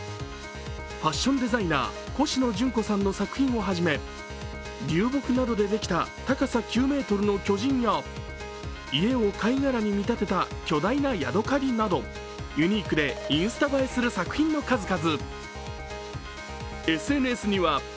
ファッションデザイナーコシノジュンコさんの作品を始め流木などでできた高さ９ｍの巨人や家を貝殻に見立てた巨大なヤドカリなどユニークでインスタ映えする作品の数々。